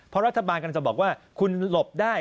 เพราะรัฐบาลกำลังจะบอกว่าคุณหลบได้